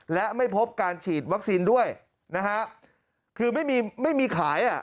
และไม่พบการฉีดวัคซีนด้วยนะฮะคือไม่มีไม่มีขายอ่ะ